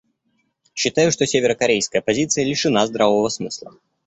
Считаю, что северокорейская позиция лишена здравого смысла.